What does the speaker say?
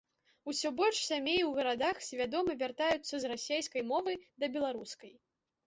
Усё больш сямей у гарадах свядома вяртаюцца з расейскай мовы да беларускай.